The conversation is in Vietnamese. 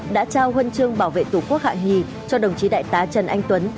đã trao huân chương bảo vệ tổ quốc hạ hì cho đồng chí đại tá trần anh tuấn